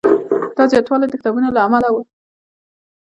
دا زیاتوالی د کتابونو له امله و.